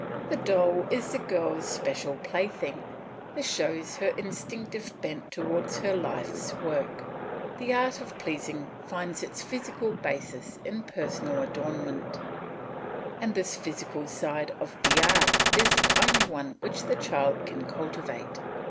The doll is the girl's special plaything; this shows her instinctive bent towards her life's work. The art of pleasing finds its physical basis in personal adornment, and this physical side of the art is the only one which the child can cultivate.